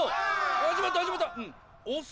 始まった始まった。